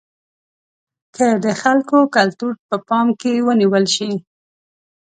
که د خلکو کلتور په پام کې ونیول شي.